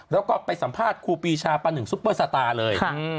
แล้วก็ไปสัมภาษณ์ครูปีชาปะหนึ่งซุปเปอร์สตาร์เลย